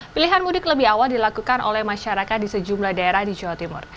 pilihan mudik lebih awal dilakukan oleh masyarakat di sejumlah daerah di jawa timur